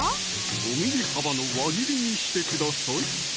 ５ｍｍ幅の輪切りにしてください